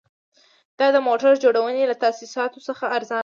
دا د موټر جوړونې له تاسیساتو څخه ارزانه دي